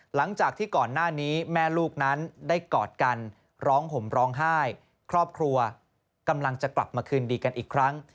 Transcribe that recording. หลังจากที่ก่อนหน้านี้แม่ลูกนั้นได้กอดกันร้องห่มร้องไห้ครอบครัวกำลังจะกลับมาคืนดีกันอีกครั้ง